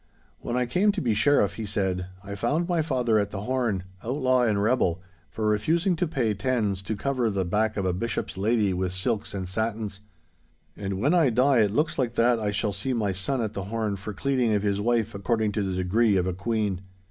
'When I came to be Sheriff,' he said, 'I found my father at the horn, outlaw and rebel, for refusing to pay teinds to cover the back of a bishop's lady with silks and satins. And when I die it looks like that I shall see my son at the horn for cleading of his wife according to the degree of a queen.